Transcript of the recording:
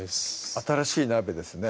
新しい鍋ですね